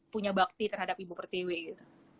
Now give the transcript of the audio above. punya bakti terhadap ibu pertiwi gitu